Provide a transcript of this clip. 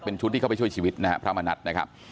เป็นชุดที่เข้าไปช่วยชีวิตนะฮะพระมณัฐนะครับ